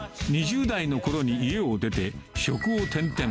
２０代のころに家を出て、職を転々。